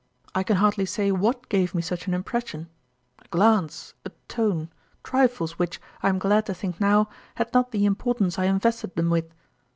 I can hardly say what gave me such an impression a glance, a tone, trifles which, I am glad to think now, had not the importance I invested them with.